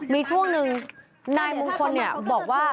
มีช่วงนึงนายมงคลเนี่ยบอกว่า